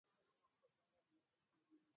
دا کتاب تېر کال دوبی صحاف نشراتي موسسې خپور کړ.